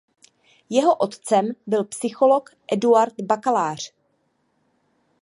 Jeho otcem byl psycholog Eduard Bakalář.